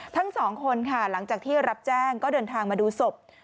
ทั้งสองคนค่ะหลังจากที่รับแจ้งก็เดินทางมาดูศพ